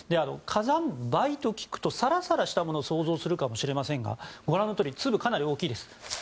火山灰と聞くとさらさらしたものを想像するかもしれませんが粒がかなり大きいです。